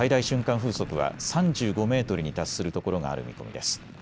風速は３５メートルに達するところがある見込みです。